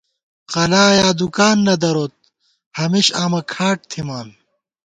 قلا یا دُکان نہ دروت ہمیش آمہ کھاٹ تھِمان